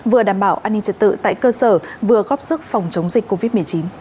vừa đảm bảo an ninh trật tự tại cơ sở vừa góp sức phòng chống dịch covid một mươi chín